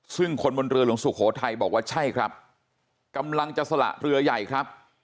ซึ่งคนบนเรือหลวงสุโขทัยบอกว่าใช่ครับกำลังจะสละเรือใหญ่ครับ